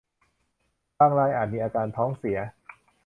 บางรายอาจมีอาการท้องเสีย